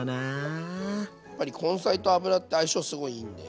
根菜と油って相性すごいいいんで。